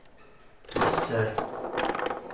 D sser.